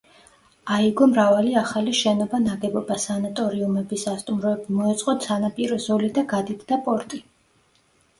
აიგო მრავალი ახალი შენობა-ნაგებობა, სანატორიუმები, სასტუმროები, მოეწყო სანაპირო ზოლი და გადიდდა პორტი.